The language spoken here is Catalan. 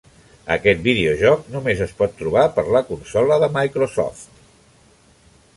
Aquest videojoc només es pot trobar per la consola de Microsoft.